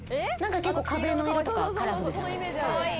結構壁の色とかカラフルじゃないですか。